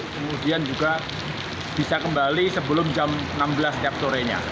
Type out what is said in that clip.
kemudian juga bisa kembali sebelum jam enam belas setiap sorenya